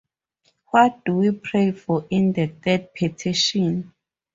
What do we pray for in the third petition?